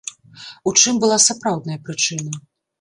У чым была сапраўдная прычына?